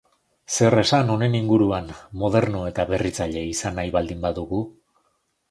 Zer esan honen inguruan moderno edo berritzaile izan nahi baldin badugu?